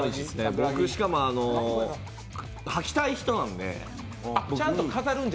僕しかも履きたい人なんで。